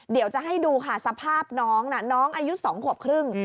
เดี๋ยวจะให้ดูค่ะสภาพน้องน่ะน้องน้องอายุ๒ขวบครึ่ง